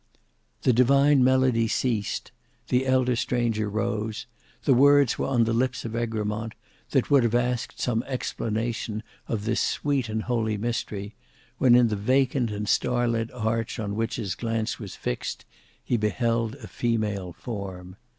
The divine melody ceased; the elder stranger rose; the words were on the lips of Egremont, that would have asked some explanation of this sweet and holy mystery, when in the vacant and star lit arch on which his glance was fixed, he beheld a female form.